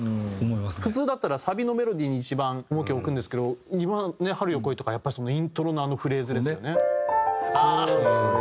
普通だったらサビのメロディーに一番重きを置くんですけど今の『春よ、来い』とかやっぱりイントロのあのフレーズですよね。